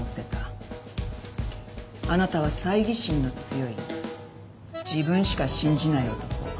あなたは猜疑心の強い自分しか信じない男。